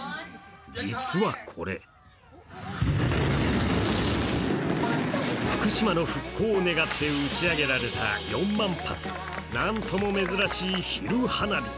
実はこれ、福島の復興を願って打ち上げられた４万発、なんとも珍しい昼花火。